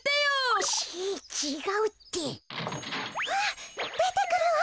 あっでてくるわ。